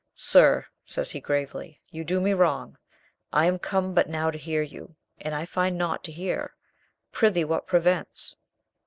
"Sir," says he gravely, "you do me wrong. I am come but now to hear you, and I find naught to hear. Prithee, what prevents?"'